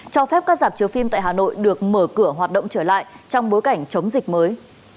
cho phép các giảm chiếu phim tại hà nội được mở cửa hoạt động trở lại trong bối cảnh chống dịch mới